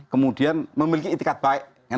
kemudian memiliki etikat baik